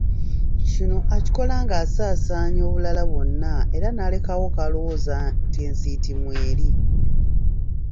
Kino akikola ng’asaasaanya obulala bwonna era n’alekawo k’alowooza nti ensiiti mw’eri.